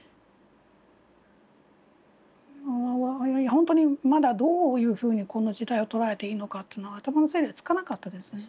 本当にまだどういうふうにこの事態を捉えていいのか頭の整理がつかなかったですね。